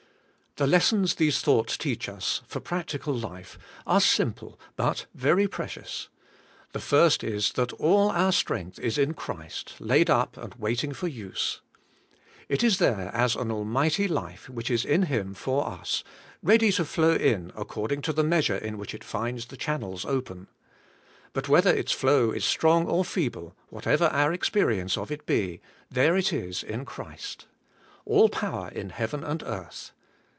The lessons these thoughts teach us for practical life are simple, but very precious. The first is, that all our strength is in Christ, laid up and waiting for use. It is there as an Almighty life, which is in Him for us, ready to flow in according to the meas ure in which it finds the channels open. But whether its flow is strong or feeble, whatever our ex perience of it be, there it is in Christ: All power in heaven and earth.